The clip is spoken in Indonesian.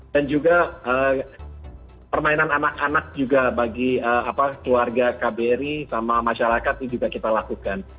dan juga permainan anak anak juga bagi keluarga kbri sama masyarakat itu juga kita lakukan